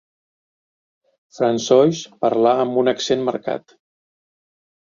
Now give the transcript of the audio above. François parlà amb un accent marcat.